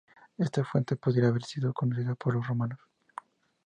Esta fuente podría haber sido conocida por los romanos.